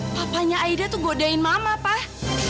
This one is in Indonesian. papanya aida tuh godain mama pak